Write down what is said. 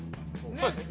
そうですね